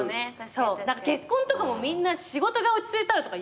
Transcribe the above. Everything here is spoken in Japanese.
結婚とかもみんな仕事が落ち着いたらとか言うじゃないっすか。